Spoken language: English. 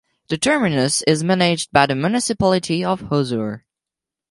The terminus is managed by the municipality of Hosur.